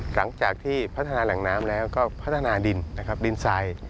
หลังจากที่พัฒนาแหล่งน้ำแล้วก็พัฒนาดินนะครับดินทราย